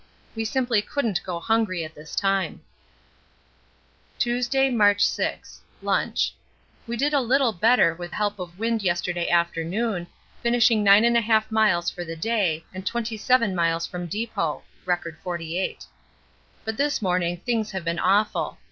We simply couldn't go hungry at this time. Tuesday, March 6. Lunch. We did a little better with help of wind yesterday afternoon, finishing 9 1/2 miles for the day, and 27 miles from depot. (R. 48.) But this morning things have been awful.